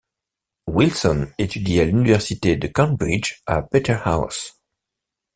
Wilson étudie à l'université de Cambridge, à Peterhouse.